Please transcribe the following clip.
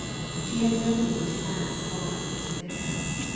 She had no need to ask why he had come.